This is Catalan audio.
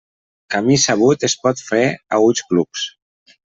Camí sabut es pot fer a ulls clucs.